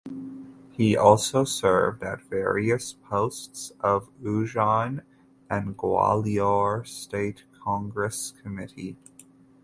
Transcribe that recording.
He also served at various posts of Ujjain and Gwalior State Congress Committee.